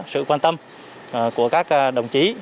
sự quan tâm của các đồng chí